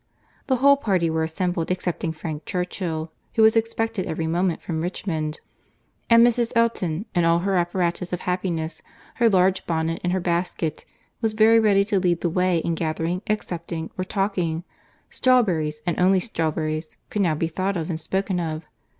—The whole party were assembled, excepting Frank Churchill, who was expected every moment from Richmond; and Mrs. Elton, in all her apparatus of happiness, her large bonnet and her basket, was very ready to lead the way in gathering, accepting, or talking—strawberries, and only strawberries, could now be thought or spoken of.